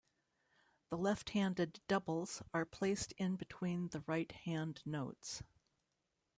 The left-handed doubles are placed in between the right hand notes.